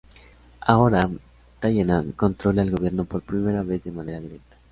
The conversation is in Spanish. Ahora, Talleyrand controla el gobierno, por primera vez de manera directa.